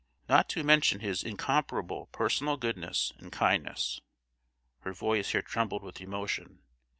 not to mention his incomparable personal goodness and kindness" (her voice here trembled with emotion).